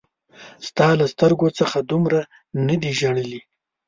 ستا له سترګو څخه دومره نه دي ژړلي